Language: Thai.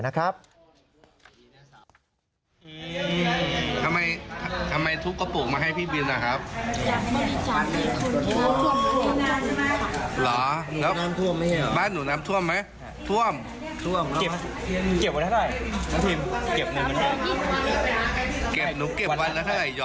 ทำไมทำไมทุกกระปุกมาให้พี่บินนะครับหรอบ้านหนูน้ำท่วมไหมท่วมท่วมเก็บเก็บเก็บวันแล้วเท่าไหร่